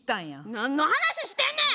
なんの話してんねん！